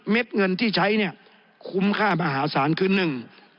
เงินที่ใช้เนี่ยคุ้มค่ามหาศาลคือหนึ่ง